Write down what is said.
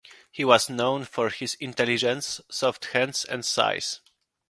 He was known for his intelligence, soft hands and size.